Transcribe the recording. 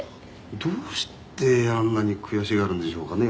「どうしてあんなに悔しがるんでしょうかね」